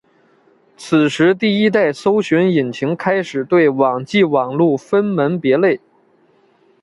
此时第一代搜寻引擎开始对网际网路分门别类。